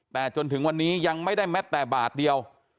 แต่จนถึงวันนี้ยังไม่ได้แม้แต่บาทเดียว